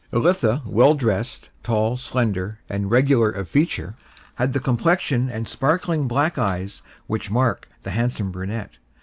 Elitha, well dressed, tall, slender, and regular of feature, had the complexion and sparkling black eyes which mark the handsome brunette.